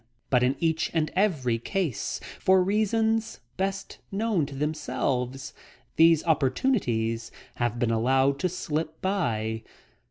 But in each and every case, for reasons best known to themselves, these opportunities have been allowed to slip by.